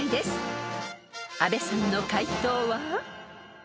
［阿部さんの解答は？］